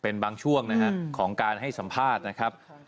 เป็นบางช่วงนะครับของการให้สัมภาษณ์นะครับ